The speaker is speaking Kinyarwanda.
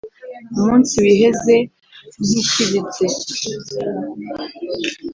umunsi wiheze ngishyiditse